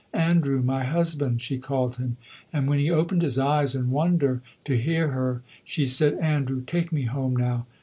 "Andrew, my husband," she called him, and when he opened his eyes in wonder to hear her she said, "Andrew, take me home now.